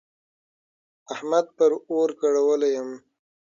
احمد پر اور کړولی يم.